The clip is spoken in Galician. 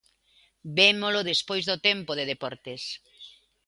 Vémolo despois do tempo de deportes.